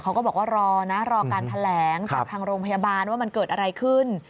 เขาก็บอกว่ารอนะรอการแถลงจากทางโรงพยาบาลว่ามันเกิดอะไรขึ้น